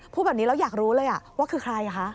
พูดแบบนี้แล้วอยากรู้เลยว่าคือใครคะ